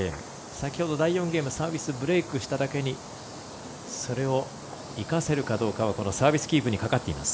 先ほど第４ゲームサービス、ブレークしただけにそれを生かせるかどうかサービスキープにかかっています。